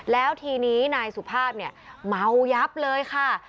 แล้วทีนี้นายสุภาพเนี่ยเมายับเลยค่ะ